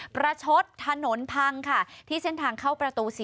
ประชดถนนพังค่ะที่เส้นทางเข้าประตู๔